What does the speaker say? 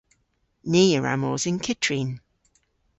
Ni a wra mos yn kyttrin.